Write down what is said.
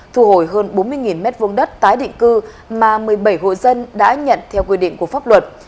thu hồi hơn bốn mươi m hai đất tái định cư mà một mươi bảy hộ dân đã nhận theo quy định của pháp luật